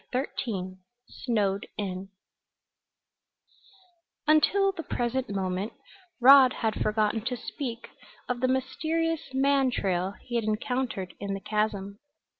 CHAPTER XIII SNOWED IN Until the present moment Rod had forgotten to speak of the mysterious man trail he had encountered in the chasm.